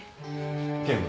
警部。